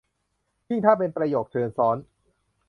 ยิ่งถ้าเป็นประโยคเชิงซ้อน